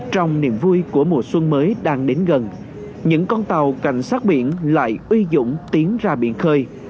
trong niềm vui của mùa xuân mới đang đến gần những con tàu cảnh sát biển lại uy dũng tiến ra biển khơi